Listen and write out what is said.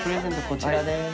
こちらです。